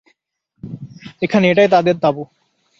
এখানে, এটাই তাদের তাঁবু।